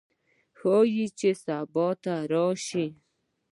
ښايي چې سبا ته راشي